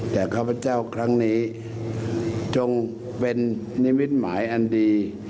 แต่ข้าพเจ้าครั้งนี้จงเป็นนิมิตหมายอันดี